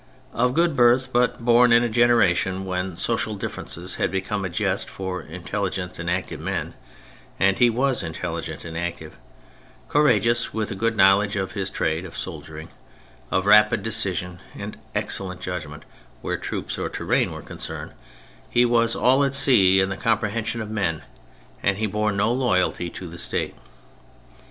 Of good birth, but born in a generation when social differences had become a jest for intelligent and active men (and he was intelli gent and active), courageous, with a good know ledge of his trade of soldiering, of rapid deci sion and excellent judgment where troops or terrain were concerned, he was all at sea in the comprehension of men, and he bore no loyalty to the State.